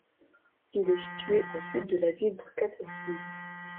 Il est situé au sud de la ville de Gateshead.